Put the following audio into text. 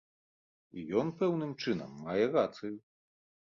І ён пэўным чынам мае рацыю.